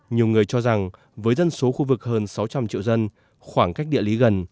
nhiều người cho rằng với dân số khu vực hơn sáu trăm linh triệu dân khoảng cách địa lý gần